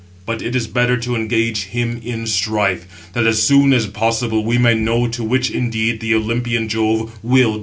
But it is better to engage him in strife; that as soon as possible we may know to which, indeed, the Olympian [Jove] will give glory."